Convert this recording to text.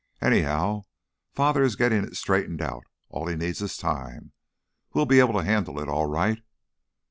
Anyhow, father is getting it straightened out; all he needs is time. We'll be able to handle it, all right.